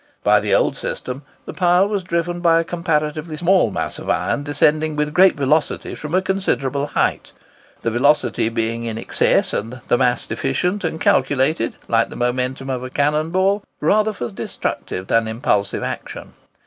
By the old system, the pile was driven by a comparatively small mass of iron descending with great velocity from a considerable height—the velocity being in excess and the mass deficient, and calculated, like the momentum of a cannon ball, rather for destructive than impulsive action.